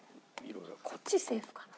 こっちセーフかな？